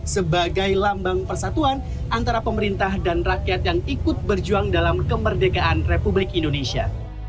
sebagai lambang persatuan antara pemerintah dan rakyat yang ikut berjuang dalam kemerdekaan republik indonesia